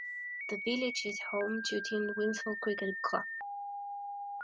The village is home to Tintwistle Cricket Club.